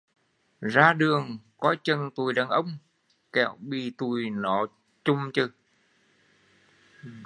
Ra đường coi chừng tụi đàn ông kẻo bị tụi hắn chồm chừ